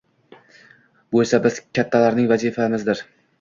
Bu esa biz, kattalarning vazifamizdir.